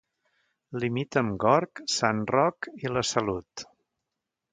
Limita amb Gorg, Sant Roc i La Salut.